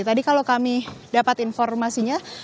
tadi kalau kami dapat informasinya